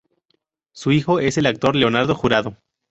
Su hijo es el actor Leonardo Jurado.